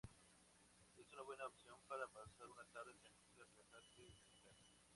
Es una buena opción para pasar una tarde tranquila, relajarse, meditar.